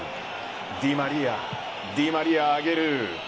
ディマリアディマリア、上げる。